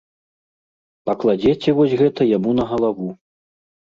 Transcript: Пакладзеце вось гэта яму на галаву.